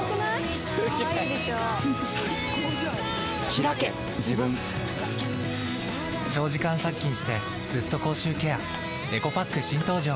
ひらけ自分長時間殺菌してずっと口臭ケアエコパック新登場！